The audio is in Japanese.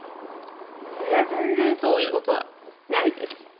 いや、全然そういうことはないです。